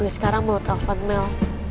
gue sekarang mau telpon mail